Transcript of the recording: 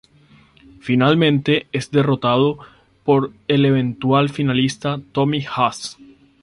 Finalmente, es derrotado por el eventual finalista Tommy Haas.